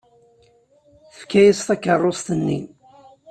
Tefka-as takeṛṛust-nni.